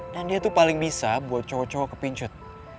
dan dia tuh paling bisa buat cowok cowok kepincut